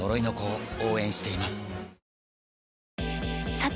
さて！